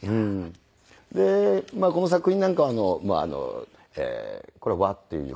でこの作品なんかはこれは「和」っていう字。